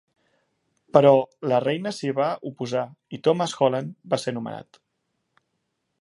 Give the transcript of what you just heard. Però la reina s'hi va oposar i Thomas Holland va ser nomenat .